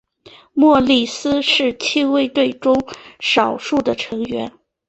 莫里斯是亲卫队中少数的成员。